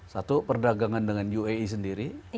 satu perdagangan dengan uae sendiri